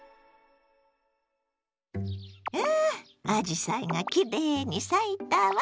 わああじさいがきれいに咲いたわ。